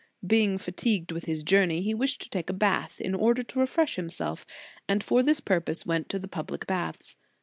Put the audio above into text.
Being fatigued with his journey, he wished to take a bath, in order to refresh himself, and for this purpose went to the public baths.